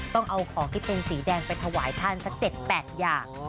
ต้องเอาของที่เป็นสีแดงไปถวายท่านสัก๗๘อย่าง